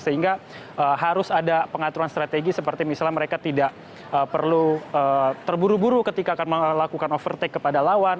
sehingga harus ada pengaturan strategi seperti misalnya mereka tidak perlu terburu buru ketika akan melakukan overtack kepada lawan